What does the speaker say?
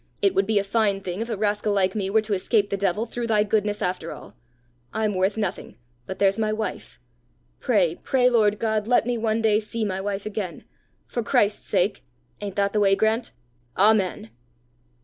It would be a fine thing if a rascal like me were to escape the devil through thy goodness after all. I'm worth nothing, but there's my wife! Pray, pray, Lord God, let me one day see my wife again! For Christ's sake ain't that the way, Grant? Amen."